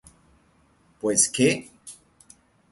¿Pues qué?